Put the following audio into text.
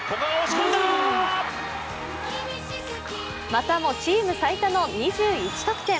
またもチーム最多の２１得点。